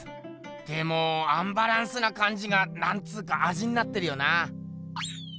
でもアンバランスなかんじがなんつうかあじになってるよな。